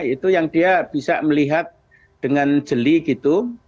itu yang dia bisa melihat dengan jeli gitu